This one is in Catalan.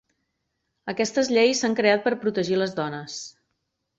Aquestes lleis s'han creat per protegir les dones.